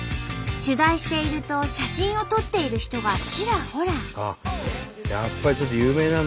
取材していると写真を撮っている人がちらほら。